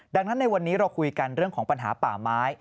ดังนั้นในวันนี้เราคุยกันเรื่องของปัญหาป่าไม้